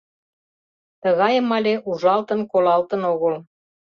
Тыгайым але ужалтын-колалтын огыл.